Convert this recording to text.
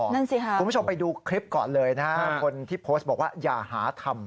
นั่นสิค่ะคุณผู้ชมไปดูคลิปก่อนเลยนะฮะคนที่โพสต์บอกว่าอย่าหาทำ